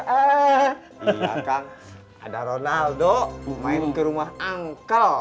iya kang ada ronaldo main ke rumah angkel